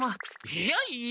いやいや。